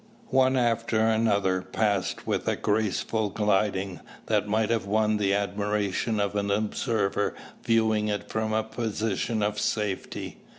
One after another passed with a graceful gliding, that might have won the admiration of an observer viewing it from a position of safety.